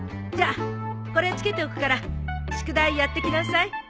じゃあこれ付けておくから宿題やってきなさい。